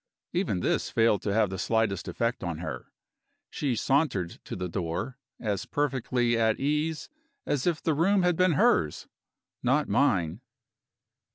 Even this failed to have the slightest effect on her. She sauntered to the door, as perfectly at her ease as if the room had been hers not mine.